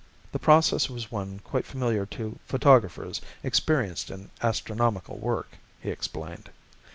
The process was one quite familiar to photographers experienced in astronomical work, he explained.